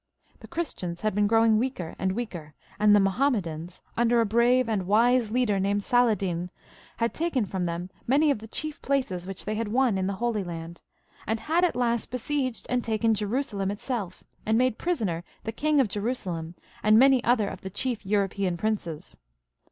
The Christians had been growing weaker and weaker, and the Mahommedans, under a brave and wise leader named Saladin, had taken from them many of the chief places which they had won in the Holy Land, and had at last besieged and taken Jerusalem itself, and made prisoner the King of Jerusalem and many other of the chief European princes.